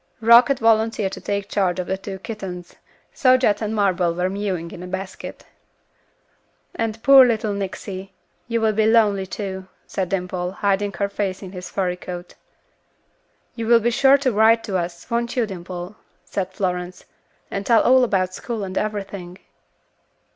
Rock had volunteered to take charge of the two kittens, so Jet and Marble were mewing in a basket. "And poor little Nyxy, you will be lonely too," said Dimple, hiding her face in his furry coat. "You will be sure to write to us, won't you Dimple," said Florence, "and tell all about school, and everything."